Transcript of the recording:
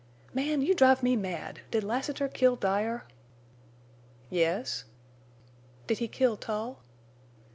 "Man, you drive me mad! Did Lassiter kill Dyer?" "Yes." "Did he kill Tull?"